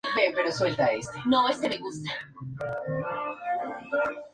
Es considerada como una de las más importantes reformistas sociales de Cuba.